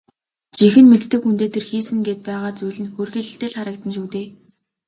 Жинхэнэ мэддэг хүндээ тэр хийсэн гээд байгаа зүйл нь хөөрхийлөлтэй л харагдана шүү дээ.